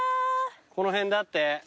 この辺だって。